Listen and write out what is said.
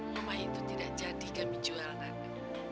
rumah itu tidak jadi kami jual nanti